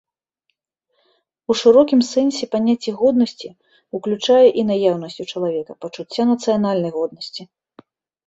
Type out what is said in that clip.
У шырокім сэнсе паняцце годнасці ўключае і наяўнасць у чалавека пачуцця нацыянальнай годнасці.